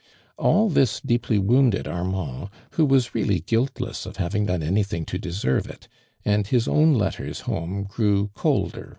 All this deeply wounded Armand, who was r<^lly guiltless of having done anything to deserve it, and his own letters home grew colder.